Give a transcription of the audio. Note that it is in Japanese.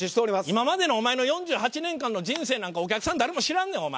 今までのお前の４８年間の人生なんかお客さん誰も知らんねんお前。